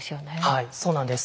はいそうなんです。